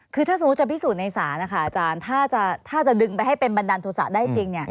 คือถ้าสมมุติจะพิสูจน์ในศาลนะคะอาจารย์ถ้าจะดึงไปให้เป็นบันดาลโทษะได้จริง